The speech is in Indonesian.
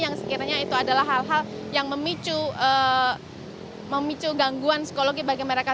yang sekiranya itu adalah hal hal yang memicu gangguan psikologi bagi mereka